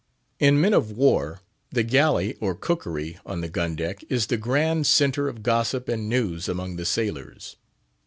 In men of war, the Galley, or Cookery, on the gun deck, is the grand centre of gossip and news among the sailors.